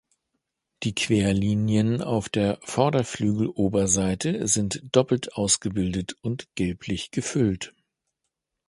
Die Querlinien auf der Vorderflügeloberseite sind doppelt ausgebildet und gelblich gefüllt.